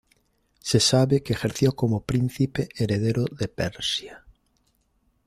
Se sabe que ejerció como príncipe heredero de Persia.